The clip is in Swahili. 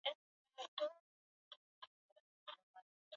Ikafaulu na Maradona akasema ilikuwa zaidi ya kushinda mechi